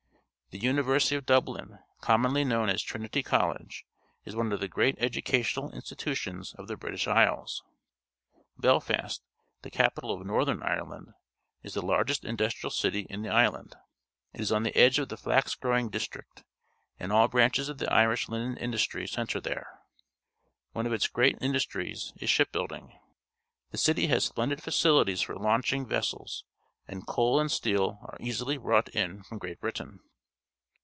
The University of Dublin, commonly known as Trinity College, is one of the great educational institutions of the British Isles. Belfast, the capital of Northern Ireland, is the largest industrial city in the island. It is on the edge of the flax growing district, and all branches of the Irish linen industry centre there. One of its great industries is ship building. The city has splendid facilities for launching vessels, and coal and steel are easily brought in from Great Britain.